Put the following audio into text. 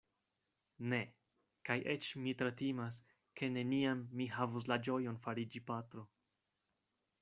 Ne; kaj eĉ mi tre timas, ke neniam mi havos la ĝojon fariĝi patro.